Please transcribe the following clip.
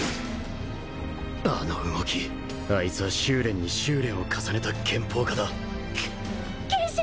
あの動きあいつは修練に修練を重ねた拳法家だ剣心！